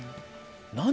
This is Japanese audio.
何？